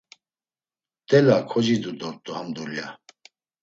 T̆ela kocidu dort̆u ham dulya.